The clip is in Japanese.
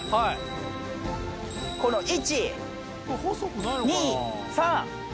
この１・２・３・４。